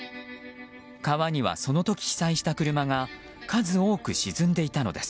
川にはその時被災した車が数多く沈んでいたのです。